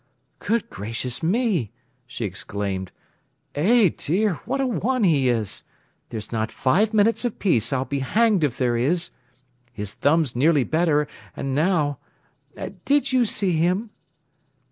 "Good gracious me!" she exclaimed. "Eh, dear, what a one he is! There's not five minutes of peace, I'll be hanged if there is! His thumb's nearly better, and now—Did you see him?"